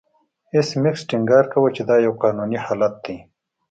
ایس میکس ټینګار کاوه چې دا یو قانوني حالت دی